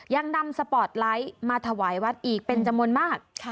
ยังนำสปอร์ตไลท์มาถวายวัดอีกเป็นจำนวนมาก